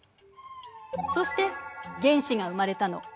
そして原子が生まれたの。